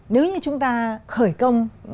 nếu như chúng ta khởi công